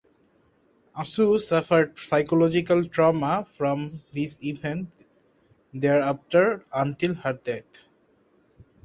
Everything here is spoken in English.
Assou suffered psychological trauma from this event thereafter until her death.